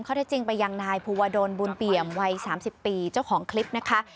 เขาได้จริงไปยังไหนภูวะโดนบุญเปี่ยมวัยสามสิบปีเจ้าของคลิปนะคะ